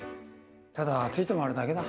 ただついて回るだけだ。